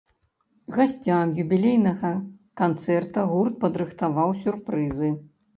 Гасцям юбілейнага канцэрта гурт падрыхтаваў сюрпрызы.